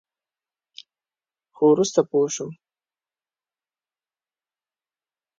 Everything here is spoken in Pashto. خو وروسته پوه شوم.